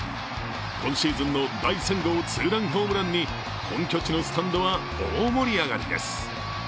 今シーズンの第３号ツーランホームランに本拠地のスタンドは大盛り上がりです。